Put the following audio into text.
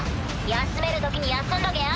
休めるときに休んどけよ。